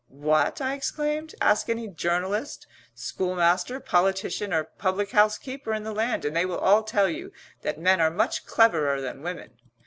"What?" I exclaimed. "Ask any journalist, schoolmaster, politician or public house keeper in the land and they will all tell you that men are much cleverer than women."